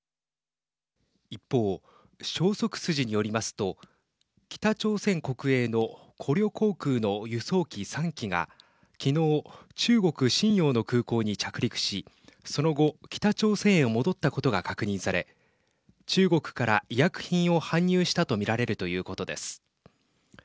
一方、消息筋によりますと北朝鮮国営のコリョ航空の輸送機３機がきのう中国・瀋陽の空港に着陸しその後北朝鮮へ戻ったことが確認され中国から医薬品を搬入したとみられるということです。